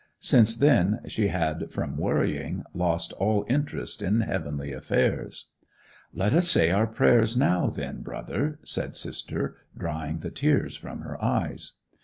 Since then she had, from worrying, lost all interest in Heavenly affairs. "Let us say our prayers now, then, brother!" said sister drying the tears from her eyes.